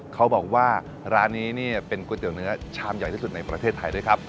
เขาบอกว่าร้านนี้เนี่ยเป็นก๋วยเตี๋ยวเนื้อชามใหญ่ที่สุดในประเทศไทยด้วยครับ